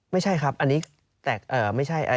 ไม่ใช่ครับอันนี้แต่ไม่ใช่